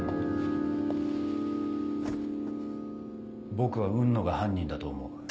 僕は雲野が犯人だと思う。